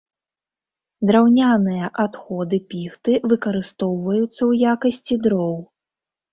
Драўняныя адходы піхты выкарыстоўваюцца ў якасці дроў.